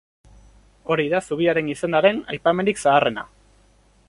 Hori da zubiaren izenaren aipamenik zaharrena.